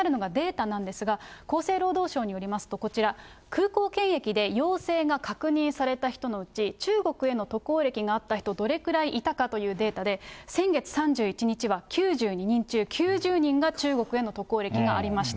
気になるのがデータなんですが、厚生労働省によりますと、こちら、空港検疫で陽性が確認された人のうち中国への渡航歴があった人、どれくらいいたかというデータで、先月３１日は９２人中９０人が中国への渡航歴がありました。